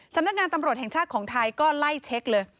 สำนักงานตำรวจแห่งชาติของไทยก็ไล่เช็คเลย